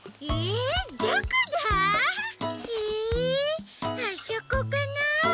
えあそこかな？